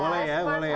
boleh ya boleh ya